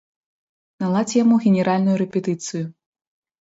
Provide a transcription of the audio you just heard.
Наладзь яму генеральную рэпетыцыю.